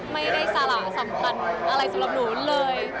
ไม่ได้สาระสำคัญอะไรสำหรับหนูเลย